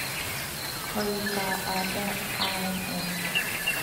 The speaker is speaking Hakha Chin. Khoi ka ah dah ar an um?